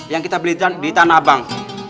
yang kita beli di tanabang